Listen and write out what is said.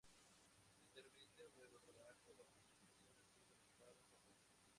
Actualmente, un nuevo trabajo bajo su dirección ha sido lanzado en Japón.